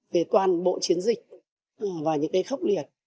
về toàn bộ chiến dịch và những cái khốc liệt